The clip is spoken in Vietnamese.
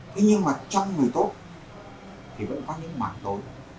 thế nhưng mà trong người tốt thì vẫn có những mạng tối